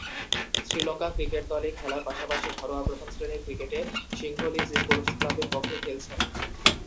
Sri Lanka cricket দলে খেলার পাশাপাশি ঘরোয়া প্রথম-শ্রেণীর ক্রিকেটে সিংহলীজ স্পোর্টস ক্লাবের পক্ষে খেলছেন।